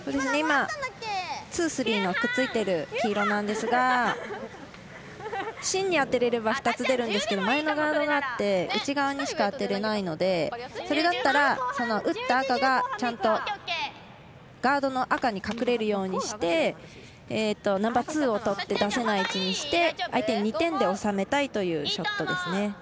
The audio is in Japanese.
ツー、スリーについてる黄色なんですが芯に当てられれば２つ出るんですが前のガードがあって内側にしか当てれないのでそれだったら、打ったあとがちゃんとガードの赤に隠れるようにしてナンバーツーをとって出せないようにして相手に２点で収めたいというショットですね。